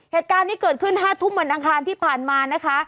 เหตุการณ์นี้เกิดขึ้น๕ทุ่มวันอังคารที่ผ่านมานะคะ